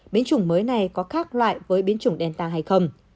biến chủng mới này có khác loại với biến chủng delta hay không